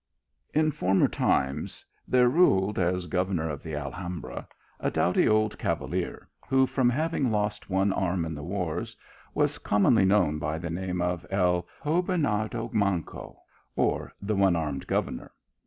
IN former times there ruled, as governor of the Alhambra, a doughty old cavalier, who, from having lost one arm in the wars, was commonly known by the name of El Gobernador Manco, or the one armed governor.